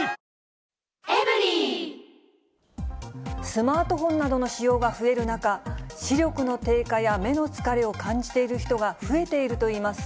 スマートフォンなどの使用が増える中、視力の低下や目の疲れを感じている人が増えているといいます。